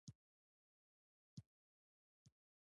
آیا کاناډا د روغتیا اداره نلري؟